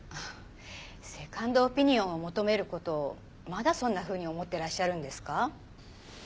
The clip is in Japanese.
セカンドオピニオンを求める事をまだそんなふうに思ってらっしゃるんですか？